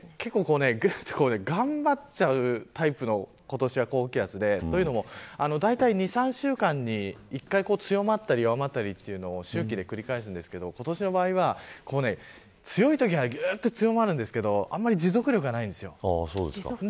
頑張っちゃうタイプの高気圧でだいたい２、３週間に１回強まったり弱まったりというのを周期で繰り返すんですけど今年の場合は強いときは強まるんですけどあまり持続力がないんです。